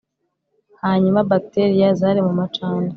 hanyuma bacteria zari mu macandwe